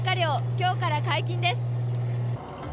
今日から解禁です。